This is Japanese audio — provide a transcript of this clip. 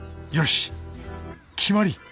よし決まり！